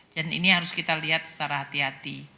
dan ini harus kita lihat secara hati hati